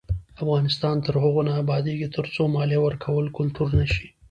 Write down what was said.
افغانستان تر هغو نه ابادیږي، ترڅو مالیه ورکول کلتور نشي.